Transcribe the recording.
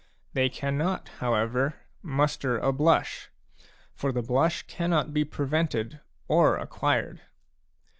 They cannot, however, muster a blush ; for the blush cannot be prevented or acquired.